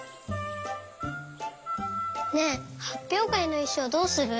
ねえはっぴょうかいのいしょうどうする？